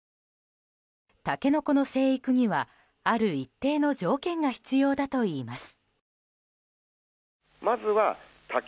タケノコの生育には、ある一定の条件が必要だといいます。